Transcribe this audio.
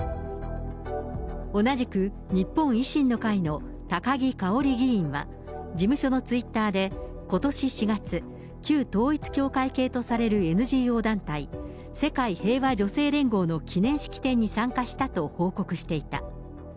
同じく日本維新の会の高木かおり議員は、事務所のツイッターで、ことし４月、旧統一教会系とされるＮＧＯ団体、世界平和女性連合の記念式典に参加したと報告していた。